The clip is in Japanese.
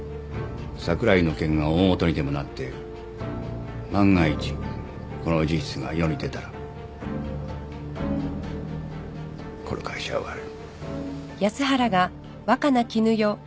櫻井の件が大ごとにでもなって万が一この事実が世に出たらこの会社は終わる